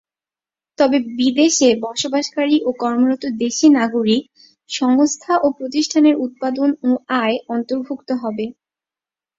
তবে বিদেশে বসবাসকারী ও কর্মরত দেশি নাগরিক, সংস্থা ও প্রতিষ্ঠানের উৎপাদন ও আয় অন্তর্ভুক্ত হবে।